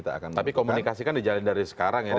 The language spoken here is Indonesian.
tapi komunikasi kan dijalanin dari sekarang ya